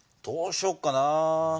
どうしよっかな。